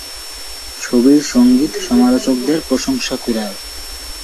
ছবির সংগীত সমালোচকদের প্রশংসা কুড়ায়।